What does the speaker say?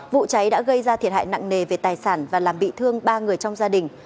vụ cháy đã gây ra thiệt hại nặng nề về tài sản và làm bị thương ba người trong gia đình